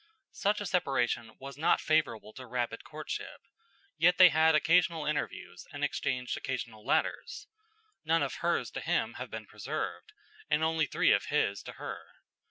Such a separation was not favorable to rapid courtship, yet they had occasional interviews and exchanged occasional letters. None of hers to him have been preserved, and only three of his to her.